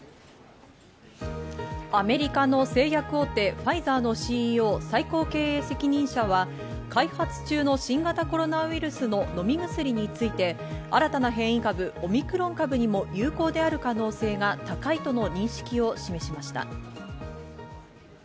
アメリカの製薬大手、ファイザーのＣＥＯ＝最高経営責任者は開発中の新型コロナウイルスの飲み薬について、新たな変異株・オミクロン株にも有効である可能性が高いとの認識を示しました。